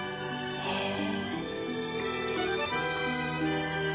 へえ。